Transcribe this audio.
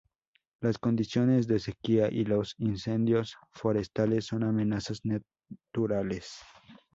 Las condiciones de sequía y los incendios forestales son amenazas naturales.